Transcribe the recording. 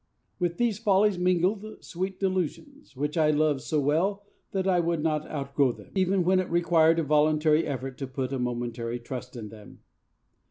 With these follies mingled sweet delusions, which I loved so well that I would not outgrow them, even when it required a voluntary effort to put a momentary trust in them.'